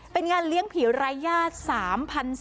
เป็นงานเลี้ยงผีรายญาติ๓๔๐๐